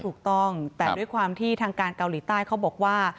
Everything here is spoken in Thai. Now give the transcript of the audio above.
ถูกต้องแต่ด้วยความที่ทางการเกาหลีใต้เขาบอกว่า